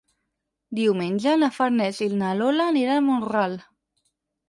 Diumenge na Farners i na Lola aniran a Mont-ral.